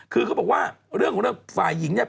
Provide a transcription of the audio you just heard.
คือเขาบอกว่าเรื่องของเรื่องฝ่ายหญิงเนี่ย